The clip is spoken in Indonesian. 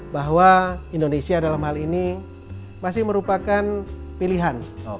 bahwa indonesia dalam hal ini masih merupakan pilihan